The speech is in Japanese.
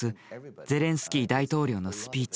ゼレンスキー大統領のスピーチ。